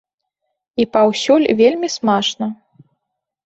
І паўсюль вельмі смачна.